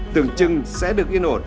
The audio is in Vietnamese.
tưởng chừng sẽ được yên ổn